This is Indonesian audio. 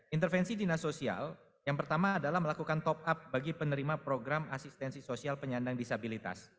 intervensi dinas sosial yang pertama adalah melakukan top up bagi penerima program asistensi sosial penyandang disabilitas